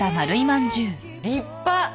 立派。